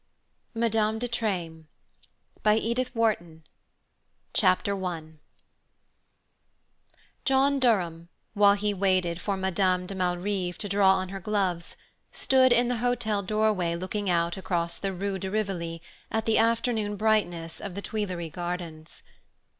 MADAME DE TREYMES BY EDITH WHARTON MADAME DE TREYMES I John Durham, while he waited for Madame de Malrive to draw on her gloves, stood in the hotel doorway looking out across the Rue de Rivoli at the afternoon brightness of the Tuileries gardens.